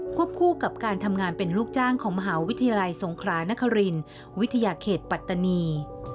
คู่กับการทำงานเป็นลูกจ้างของมหาวิทยาลัยสงครานครินวิทยาเขตปัตตานี